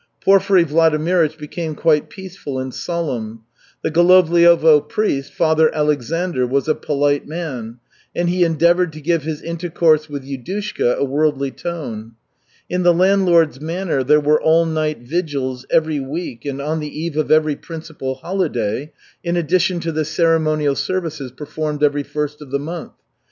Porfiry Vladimirych became quite peaceful and solemn. The Golovliovo priest, Father Aleksandr, was a polite man, and he endeavored to give his intercourse with Yudushka a worldly tone. In the landlord's manor there were all night vigils every week and on the eve of every principal holiday, in addition to the ceremonial services performed every first of the month.